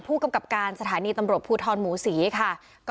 ผู้กำกับการสถานีตำรวจภูทรหมูศรีค่ะ